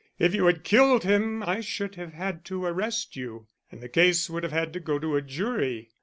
If you had killed him I should have had to arrest you, and the case would have had to go to a jury.